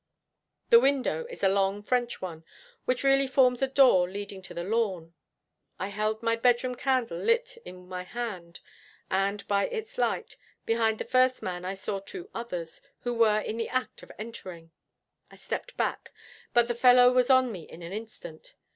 The window is a long French one, which really forms a door leading to the lawn. I held my bedroom candle lit in my hand, and, by its light, behind the first man I saw two others, who were in the act of entering. I stepped back, but the fellow was on me in an instant.